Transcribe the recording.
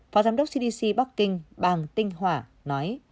phó giám đốc cdc bắc kinh bàng tinh hỏa nói